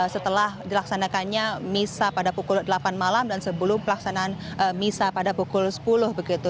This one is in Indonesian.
setelah dilaksanakannya misa pada pukul delapan malam dan sebelum pelaksanaan misa pada pukul sepuluh begitu